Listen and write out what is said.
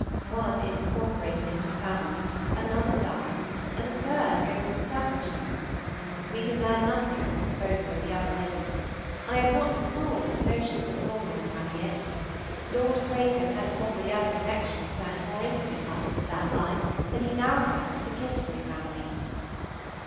One is incorporated into the family, another dies, and a third goes into Staffordshire. We can learn nothing of the disposal of the other living. I have not the smallest notion of Fulwar's having it. Lord Craven has probably other connections and more intimate ones, in that line, than he now has with the Kintbury family.